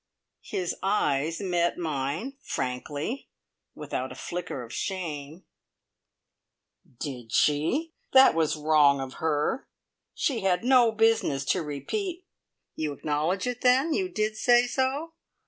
His eyes met mine, frankly, without a flicker of shame. "Did she? That was wrong of her. She had no business to repeat " "You acknowledge it, then! You did say so?"